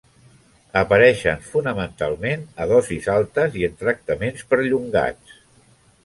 Apareixen fonamentalment a dosis altes i en tractaments perllongats.